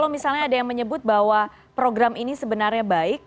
misalnya ada yang menyebut bahwa program ini sebenarnya baik